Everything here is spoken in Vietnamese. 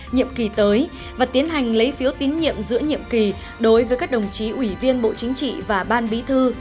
nhiệm kỳ tới và tiến hành lấy phiếu tín nhiệm giữa nhiệm kỳ đối với các đồng chí ủy viên bộ chính trị và ban bí thư